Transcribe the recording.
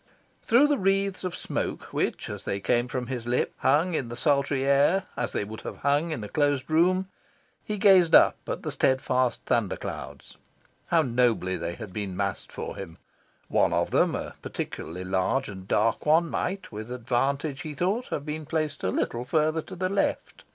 Through the wreaths of smoke which, as they came from his lips, hung in the sultry air as they would have hung in a closed room, he gazed up at the steadfast thunder clouds. How nobly they had been massed for him! One of them, a particularly large and dark one, might with advantage, he thought, have been placed a little further to the left.